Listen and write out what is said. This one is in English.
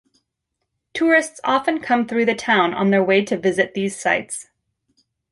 Tourists often come through the town on their way to visit these sites.